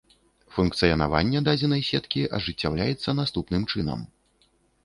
Функцыянаванне дадзенай сеткі ажыццяўляецца наступным чынам.